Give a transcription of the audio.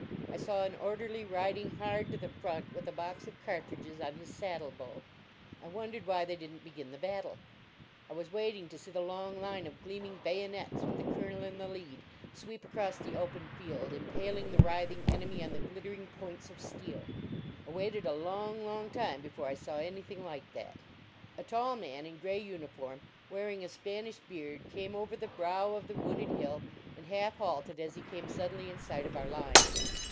I saw an orderly riding hard to the front with a box of cartridges on his saddle bow. I wondered why they didn t begin the battle. I was waiting to see the long line of gleaming 212 LAUREL AND CYPRESS bayonets, with the Colonel in the lead, sweep across the open field, impaling the writhing enemy on the glittering points of steel. I waited a long, long time before I saw any* thing like that. A tall man in gray uniform, wearing a Spanish beard, came over the brow of the wooded hill, and half halted as he came sud denly in sight of our line.